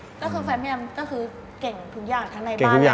ก็คือแฟนแมมก็คือเก่งทุกอย่างข้างในบ้านและนอกบ้าน